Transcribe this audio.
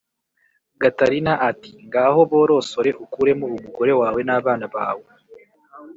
, gatarina ati: "Ngaho borosore ukuremo umugore wawe n' abana bawe